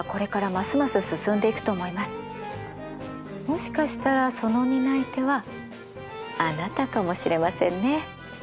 もしかしたらその担い手はあなたかもしれませんね。